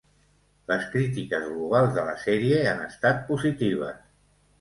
Les crítiques globals de la sèrie han estat positives.